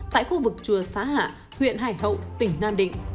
tại khu vực chùa xá hạ huyện hải hậu tỉnh nam định